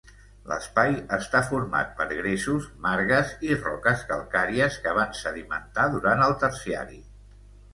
L'espai està format per gresos, margues i roques calcàries que van sedimentar durant el terciari.